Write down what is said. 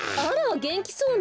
げんきそうね。